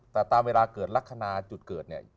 แต่ตามเวลาเกิดลักษณะจุดเกิดเนี่ย